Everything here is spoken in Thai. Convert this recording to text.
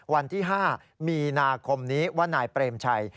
วันที่๕มีนาคมนี้ว่านายเปรมชัย